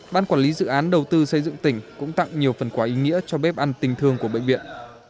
ban quản lý dự án đầu tư xây dựng tỉnh cũng tặng nhiều phần quà ý nghĩa cho bếp ăn tình thương của bệnh viện